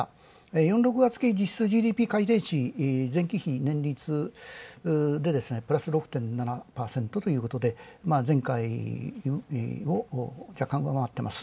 ４−６月期実質ＧＤＰ改定値年率でプラス６．７％ということで前回を若干上回っています。